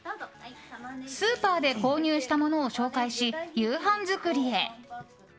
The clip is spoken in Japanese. スーパーで購入したものを紹介し夕飯作りへ。